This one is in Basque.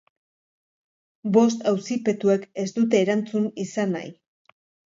Bost auzipetuek ez dute erantzun izan nahi.